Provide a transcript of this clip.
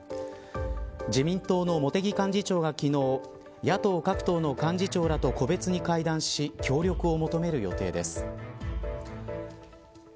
自民党の茂木幹事長が今日野党各党の幹事長ら個別に会談し協力を求める予定です。